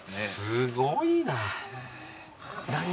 すごいな。